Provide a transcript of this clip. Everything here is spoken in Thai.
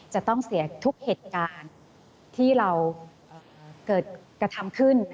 จะต้องเสียทุกเหตุการณ์ที่เราเกิดกระทำขึ้น